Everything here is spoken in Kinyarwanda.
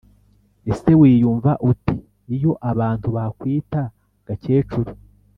ese wiyumva ute iyo abantu bakwita gakecuru